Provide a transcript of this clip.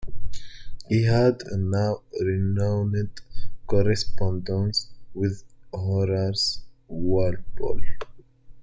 He had a now renowned correspondence with Horace Walpole.